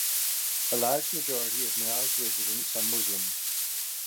A large majority of Mao's residents are Muslim.